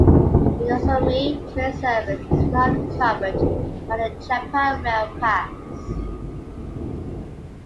The "Nozomi" train service is not covered by the Japan Rail Pass.